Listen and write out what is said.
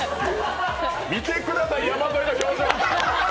見てください、山添の表情。